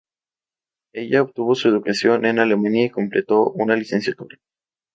Ella obtuvo su educación en Alemania y completó una licenciatura.